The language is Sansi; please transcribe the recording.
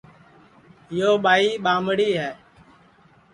یو ٻائی ٻامڑی ہے